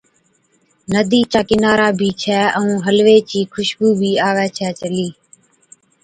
’ندِي چا ڪِنارا بِي ڇَي ائُون حلوي چِي خُوشبُو بِي آوَي ڇَي چلِي،